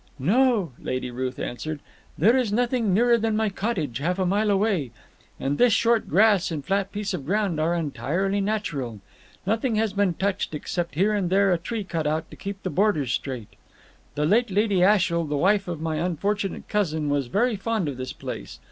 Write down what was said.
"No," Lady Ruth answered, "there is nothing nearer than my cottage half a mile away; and this short grass and flat piece of ground are entirely natural. Nothing has been touched, except here and there a tree cut out to keep the borders straight. The late Lady Ashiel, the wife of my unfortunate cousin, was very fond of this place.